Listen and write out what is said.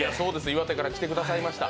岩手から来てくださいました。